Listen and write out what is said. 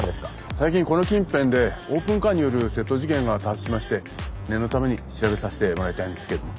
最近この近辺でオープンカーによる窃盗事件が多発しまして念のために調べさせてもらいたいんですけども。